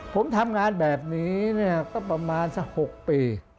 ผมทำงานแบบนี้ก็ประมาณสัก๖ปี